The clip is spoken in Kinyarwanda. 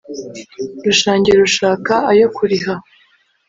rushangi rushaka ayo kuriha